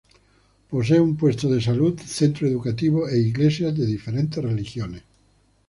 Posee un puesto de salud, centro educativo e iglesias de diferentes religiones.